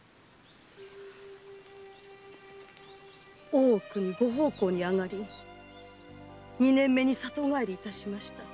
大奥にご奉公にあがり二年目に里帰りいたしました。